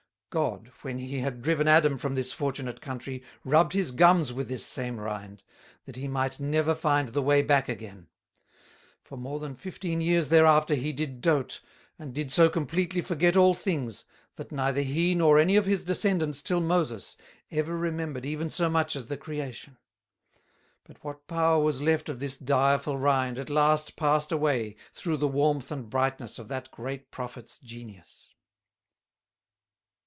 God, when he had driven Adam from this fortunate country, rubbed his gums with this same Rind, that he might never find the way back again; for more than fifteen years thereafter he did dote, and did so completely forget all things, that neither he nor any of his descendants till Moses ever remembered even so much as the Creation; but what Power was left of this direful Rind at last passed away through the warmth and brightness of that great Prophet's genius.